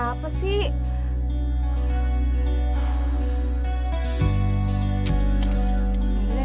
gua ngerjain dia